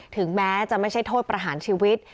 ถึงแม้จะไม่ใช่โทษประหารชีวิต